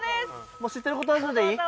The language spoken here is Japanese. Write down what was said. もう知ってることわざでいい？